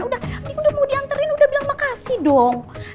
udah dia udah mau diantarin udah bilang makasih dong